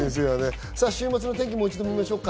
週末の天気をもう一度見ましょう。